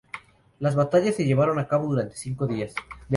Las batallas se llevaron a cabo durante cinco días.